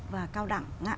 và cao đẳng